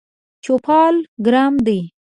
چوپال ګرم ده